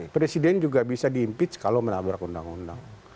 presiden juga bisa diimpeach kalau menabrak undang undang